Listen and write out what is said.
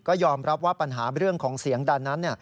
ก็ยอมรับว่าปัญหาเรื่องของเสียงดันนั้น